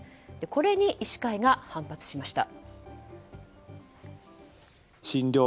これに医師会が反発しました。